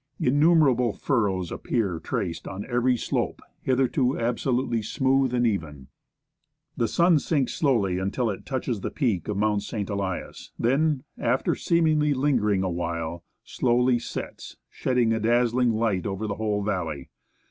Innumerable furrows appear traced on every, slope, hitherto absolutely smooth and even. The sun sinks slowly until it touches the peak of Mount St. Elias, then, after seemingly lingering a while, slowly sets, shedding a dazzling light over the whole valley.